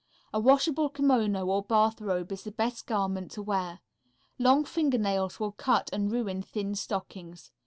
A washable kimono or bath robe is the best garment to wear. Long fingernails will cut and ruin thin stockings.